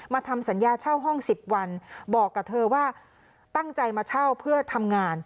ทำสัญญาเช่าห้อง๑๐วันบอกกับเธอว่าตั้งใจมาเช่าเพื่อทำงาน